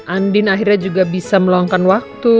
andin akhirnya juga bisa meluangkan waktu